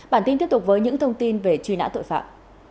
bản tin tiếp tục với những thông tin về truy nã tội phạm